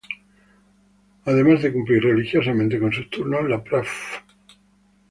Además de cumplir religiosamente con sus turnos, la Prof.